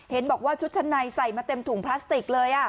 เห็นบอกว่าชุดชั้นในใส่มาเต็มถุงพลาสติกเลย